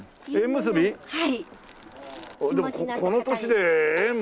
はい。